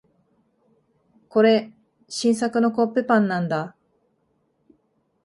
これ、新作のコッペパンなんだ。